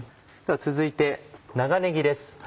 続いて長ねぎです